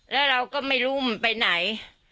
แล้วเรามันไปไหน